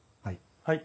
はい。